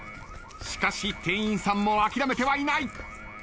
しかし店員さんも諦めてはいない。